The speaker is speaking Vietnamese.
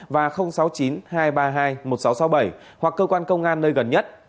và sáu mươi chín hai trăm ba mươi hai một nghìn sáu trăm sáu mươi bảy hoặc cơ quan công an nơi gần nhất